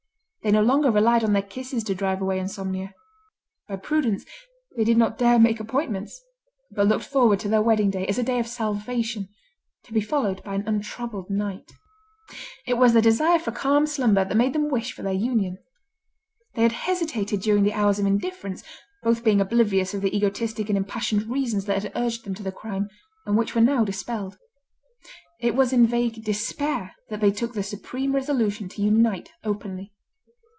They no longer relied on their kisses to drive away insomnia. By prudence, they did not dare make appointments, but looked forward to their wedding day as a day of salvation, to be followed by an untroubled night. It was their desire for calm slumber that made them wish for their union. They had hesitated during the hours of indifference, both being oblivious of the egotistic and impassioned reasons that had urged them to the crime, and which were now dispelled. It was in vague despair that they took the supreme resolution to unite openly.